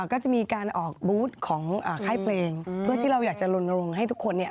ก็จะมีการออกบูธของค่ายเพลงเพื่อที่เราอยากจะลนลงให้ทุกคนเนี่ย